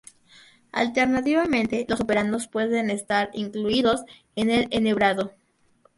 Alternativamente, los operandos pueden estar incluidos en el enhebrado.